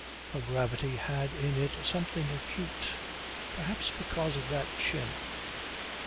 Her gravity had in it something acute, perhaps because of that chin.